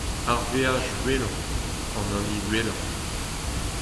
ar veaj wellañ, an hini wellañ